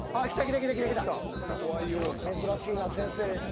珍しいな先生。